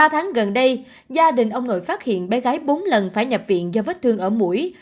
ba tháng gần đây gia đình ông nội phát hiện bé gái bốn lần phải nhập viện do vết thương ở mũi